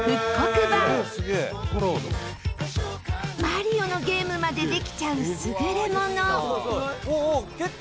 『マリオ』のゲームまでできちゃう優れもの。